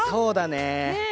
ねえ。